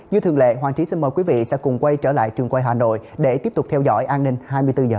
như thường lệ hoàng trí xin mời quý vị sẽ cùng quay trở lại trường quay hà nội để tiếp tục theo dõi an ninh hai mươi bốn h